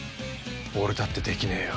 俺だってできねえよ。